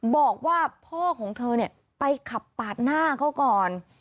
บอกว่าพ่อของเธอเนี่ยไปขับปาดหน้าเขาก่อน